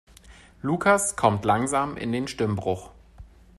Lukas kommt langsam in den Stimmbruch.